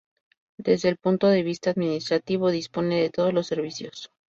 Desde el punto de vista administrativo, dispone de todos los servicios.